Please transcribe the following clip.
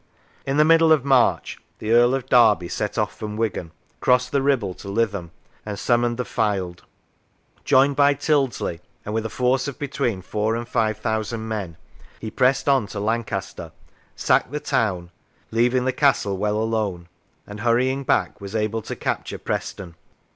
In the middle of March the Earl of Derby set off from Wigan, crossed the Kibble to Lytham, and summoned the Fylde. Joined by Tyldesley, and with a force of between four and five thousand men, he pressed on to Lancaster, sacked the town, leaving the castle well alone, and hurrying back, was able to capture Preston.